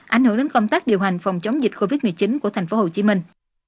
ảnh hưởng đến công tác điều hành phòng chống dịch covid một mươi chín của thành phố hồ chí minh